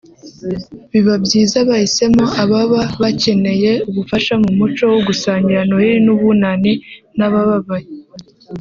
Biba byiza bahisemo ababa bakeneye ubufasha mu muco wo gusangira Noheli n’Ubunani n’ababaye